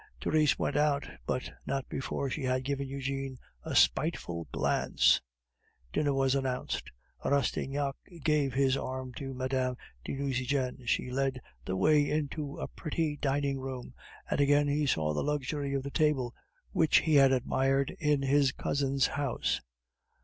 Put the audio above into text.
Therese went, but not before she had given Eugene a spiteful glance. Dinner was announced. Rastignac gave his arm to Mme. de Nucingen, she led the way into a pretty dining room, and again he saw the luxury of the table which he had admired in his cousin's house.